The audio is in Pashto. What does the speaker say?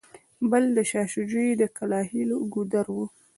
بل د شاه جوی د کلاخېلو ګودر و.